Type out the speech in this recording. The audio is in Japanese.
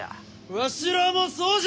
わしらもそうじゃ！